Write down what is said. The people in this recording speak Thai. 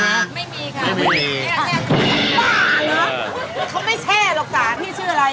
ไม่มีค่ะแช่แช่สารบ้าเนอะเขาไม่แช่หรอกจ๊ะพี่ชื่ออะไร